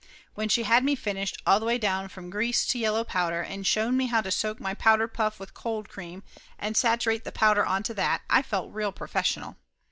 When she had me finished, all the way from grease to yellow powder, and shown me how to soak my powder puff with cold cream and saturate the powder onto that, I felt real professional.